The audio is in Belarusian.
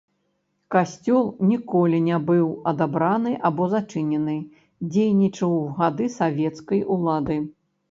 Касцёл ніколі не быў адабраны або зачынены, дзейнічаў у гады савецкай улады.